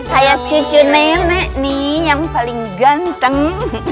kayak cucu nenek nih yang paling ganteng